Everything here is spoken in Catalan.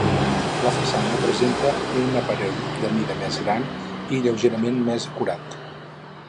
La façana presenta un aparell de mida més gran i lleugerament més acurat.